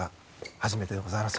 初めてでございます